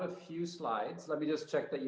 dan saya ingin membicarakannya